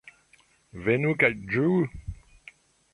Venu kaj ĝuu!